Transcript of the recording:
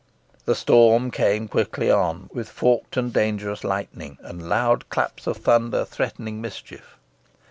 The storm came quickly on, with forked and dangerous lightning, and loud claps of thunder threatening mischief.